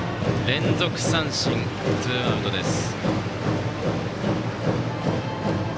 連続三振でツーアウトです。